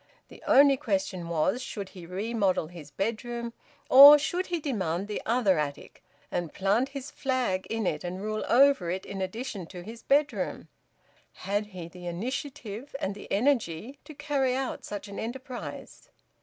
The only question was, Should he remodel his bedroom, or should he demand the other attic, and plant his flag in it and rule over it in addition to his bedroom? Had he the initiative and the energy to carry out such an enterprise?